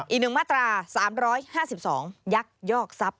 อีก๑มาตรา๓๕๒ยักษ์ยอกทรัพย